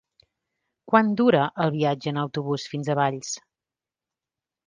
Quant dura el viatge en autobús fins a Valls?